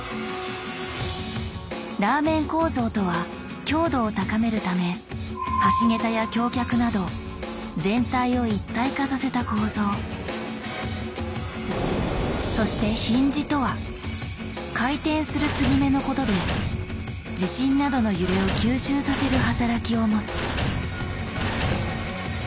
「ラーメン構造」とは強度を高めるためそして「ヒンジ」とは回転する継ぎ目のことで地震などの揺れを吸収させる働きを持つ。